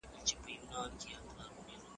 موږ پر وختي سهار سفر شروع کړی.